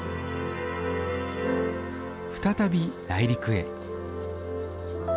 再び内陸へ。